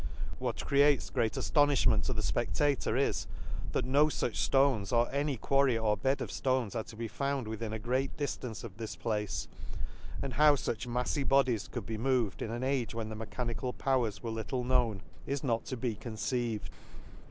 — What creates great afto iliflimerit to the fpe6lator is, that no fiich ftones, or any quarry or bed of ftones are to be found within a great diftance of this place ; and how fiich mafTy bodies could be mov&d, in an age when the me chanical powers were little known, is not to be conceived.